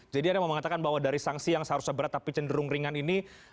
jadi anda mau mengatakan bahwa dari sanksi yang seharusnya berat tapi cenderung ringan ini